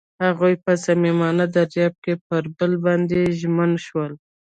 هغوی په صمیمي دریاب کې پر بل باندې ژمن شول.